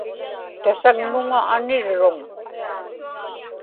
tasaŋmuŋa anirruŋ